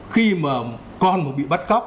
khi mà con mà bị bắt cóc